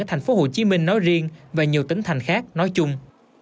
thành phố hồ chí minh nói riêng và nhiều tỉnh thành khác nói chung